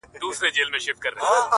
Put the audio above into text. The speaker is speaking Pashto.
نور بيا د ژوند عادي چارو ته ستنېږي ورو-